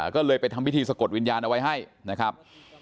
ก็เลยไปทำพิธีสะกดวิญญาณเอาไว้ให้นะครับ